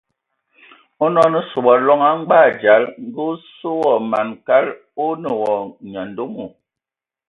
Onɔn o sɔ wa loŋ a ngbag dzal, ngə o sə wa man kal, o nə wa nyandomo.